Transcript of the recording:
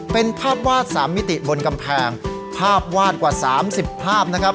เป็นภาพวาด๓มิติบนกำแพงภาพวาดกว่า๓๐ภาพนะครับ